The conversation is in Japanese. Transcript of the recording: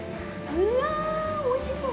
うわぁ、おいしそう！